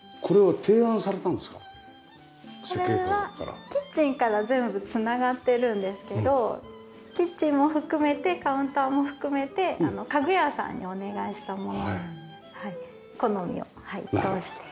これはキッチンから全部繋がってるんですけどキッチンも含めてカウンターも含めて家具屋さんにお願いしたものなんです。